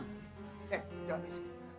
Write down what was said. eh jangan miss